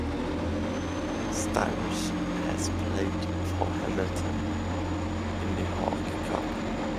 Styris has played for Hamilton in the Hawke Cup.